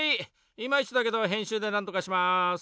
イマイチだけど編集でなんとかします。